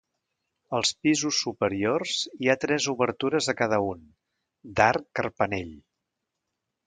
Als pisos superiors hi ha tres obertures a cada un, d'arc carpanell.